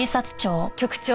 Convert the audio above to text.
局長。